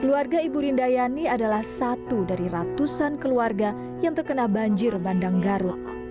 keluarga ibu rindayani adalah satu dari ratusan keluarga yang terkena banjir bandang garut